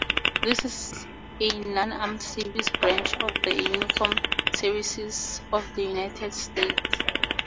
This is a non-armed service branch of the uniformed services of the United States.